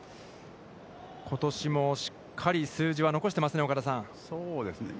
ことしもしっかり数字は残してますね岡田さん。